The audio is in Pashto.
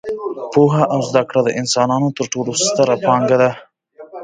پوهه او زده کړه د انسانانو تر ټولو ستره پانګه ده.